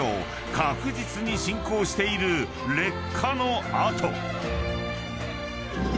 ［確実に進行している劣化の跡］